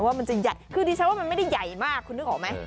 ว่ามันจะใหญ่คือดิฉันว่ามันไม่ได้ใหญ่มากคุณนึกออกไหม